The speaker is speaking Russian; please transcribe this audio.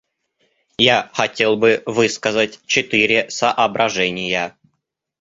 Я хотел бы высказать четыре соображения.